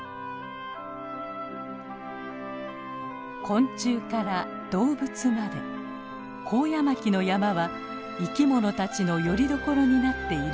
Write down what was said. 昆虫から動物までコウヤマキの山は生き物たちのよりどころになっているのです。